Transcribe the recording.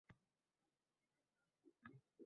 Boy tepasidagi qop-qora odamlarni ko‘rdi